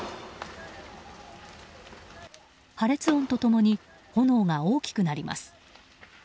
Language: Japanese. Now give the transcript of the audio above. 破裂音と共に炎が大きくなります。